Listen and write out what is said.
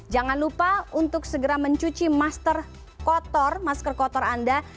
jangan lupa untuk segera mencuci masker kotor anda